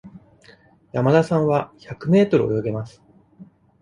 山田さんは百メートル泳げます。